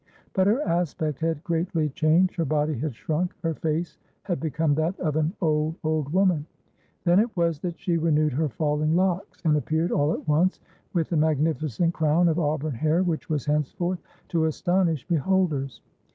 But her aspect had greatly changed; her body had shrunk, her face had become that of an old, old woman. Then it was that she renewed her falling locks, and appeared all at once with the magnificent crown of auburn hair which was henceforth to astonish beholders.